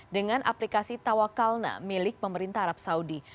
dengan aplikasi tawakalna milik pemerintah arab saudi